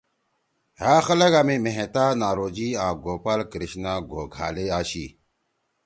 ہأ خلگا می مہتہ، ناروجی آں گوپال کرشنا گوکھالے آشی